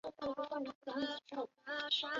力抵王安石。